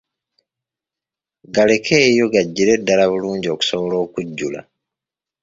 Galekeyo gajjire ddala bulungi okusobola okujjula.